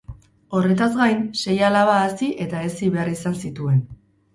Horretaz gain, sei alaba hazi eta hezi behar izan zituen.